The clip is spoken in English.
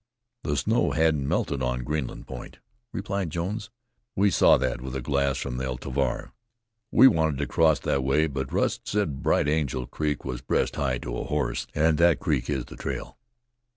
"The snow hadn't melted on Greenland point," replied Jones. "We saw that with a glass from the El Tovar. We wanted to cross that way, but Rust said Bright Angel Creek was breast high to a horse, and that creek is the trail."